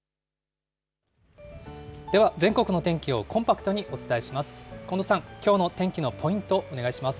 では全国の天気をコンパクトにお伝えします。